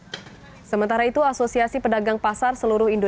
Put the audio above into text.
apb dan aso yang menjaga keberlangsungan negara kita dengan pembiayaan yang sustainable